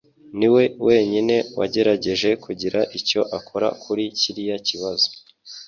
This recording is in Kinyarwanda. niwe wenyine wagerageje kugira icyo akora kuri kiriya kibazo